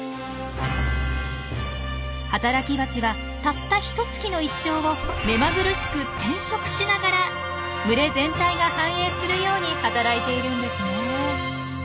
働きバチはたったひと月の一生を目まぐるしく転職しながら群れ全体が繁栄するように働いているんですね。